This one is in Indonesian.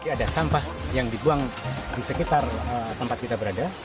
ada sampah yang dibuang di sekitar tempat kita berada